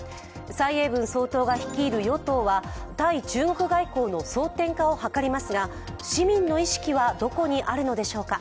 蔡英文総統が率いる与党は対中国外交の争点化を図りますが市民の意識は、どこにあるのでしょうか。